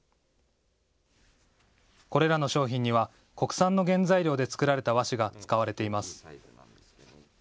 これらの商品には国産の原材料で作られた和紙が使われています。